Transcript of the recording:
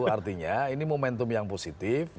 artinya ini momentum yang positif